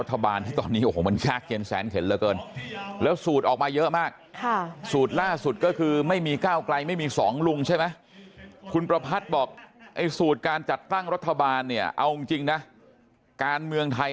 การเมืองเนี่ยพูดได้เลย